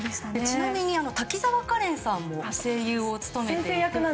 ちなみに滝沢カレンさんも声優を務めています。